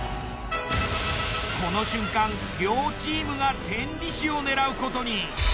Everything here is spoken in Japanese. この瞬間両チームが天理市を狙うことに。